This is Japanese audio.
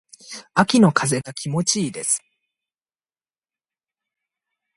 秋の風が気持ち良いです。